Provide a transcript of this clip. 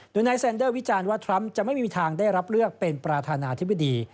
โดยนายเซ็นเดอร์วิจารณ์ว่าทรัมป์จะไม่มีทางได้รับเลือกเป็นประธานาธิบดี